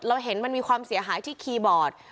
เห็นมันมีความเสียหายที่คีย์บอร์ด